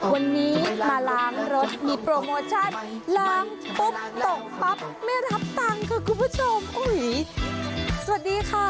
วันนี้มาล้างรถมีโปรโมชั่นล้างปุ๊บตกปั๊บไม่รับตังค์ค่ะคุณผู้ชมอุ้ยสวัสดีค่ะ